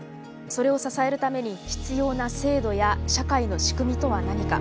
それを支えるために必要な制度や社会の仕組みとは何か。